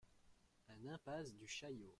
un impasse du Chaillot